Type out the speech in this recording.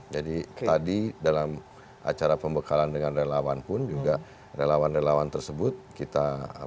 jadi tadi dalam acara pembekalan dengan relawan pun juga relawan relawan tersebut kita